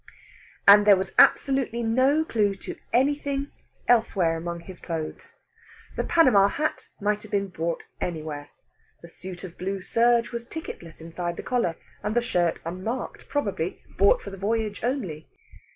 And there was absolutely no clue to anything elsewhere among his clothes. The Panama hat might have been bought anywhere; the suit of blue serge was ticketless inside the collar, and the shirt unmarked probably bought for the voyage only.